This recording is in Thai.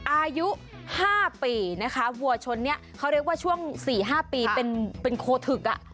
อายุ๕ปีนะคะวัวชนเนี่ยเขาเรียกว่าช่วง๔๕ปีเป็นโคทึก